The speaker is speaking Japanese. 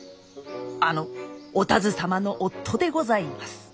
あのお田鶴様の夫でございます。